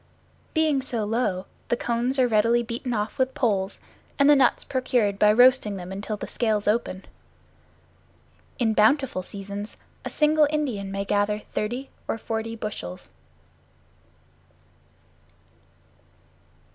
Being so low, the cones are readily beaten off with poles, and the nuts procured by roasting them until the scales open. In bountiful seasons a single Indian may gather thirty or forty bushels.